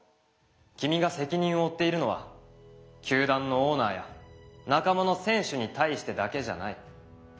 君が責任を負っているのは球団のオーナーや仲間の選手に対してだけじゃない。